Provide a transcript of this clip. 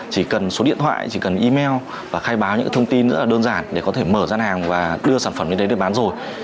chỉ cần số điện thoại chỉ cần email và khai báo những thông tin rất là đơn giản để có thể mở gian hàng và đưa sản phẩm lên đấy để bán rồi